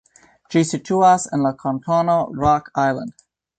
Ĝi situas en la kantono Rock Island.